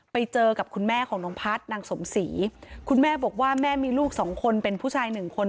ไปเจอกับคุณแม่ของน้องพัฒน์นางสมศรีคุณแม่บอกว่าแม่มีลูกสองคนเป็นผู้ชายหนึ่งคน